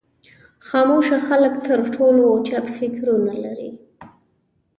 خاموشه خلک تر ټولو اوچت فکرونه لري.